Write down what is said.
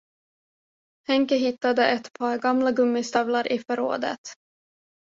Henke hittade ett par gamla gummistövlar i förrådet.